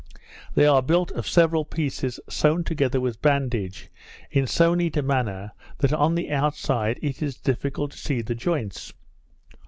They are built of several pieces sewed together with bandage, in so neat a manner, that on the outside it is difficult to see the joints.